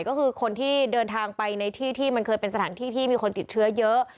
ก็คือคนที่เดินทางไปในที่ที่มันเคยเป็นสถานที่ที่มีคนติดเชื้อเยอะ